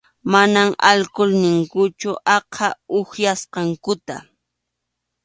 Mana alkul ninkuchu aqha upyasqankuta.